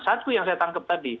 satu yang saya tangkap tadi